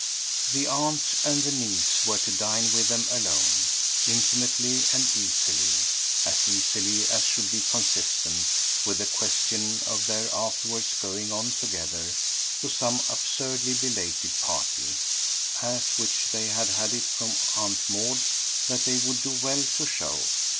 The aunt and the niece were to dine with them alone, intimately and easily as easily as should be consistent with the question of their afterwards going on together to some absurdly belated party, at which they had had it from Aunt Maud that they would do well to show.